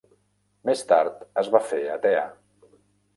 Més tard es va fer atea.